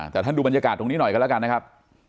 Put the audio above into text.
แต่ท่านดูบรรยากาศตรงนี้หน่อยกันแล้วกันนะครับ